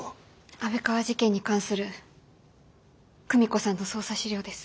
安倍川事件に関する久美子さんの捜査資料です。